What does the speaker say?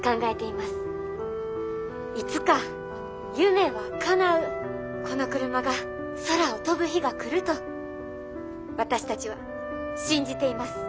「いつか夢はかなうこのクルマが空を飛ぶ日が来ると私たちは信じています」。